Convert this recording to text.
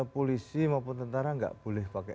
polisi maupun tentara nggak boleh pakai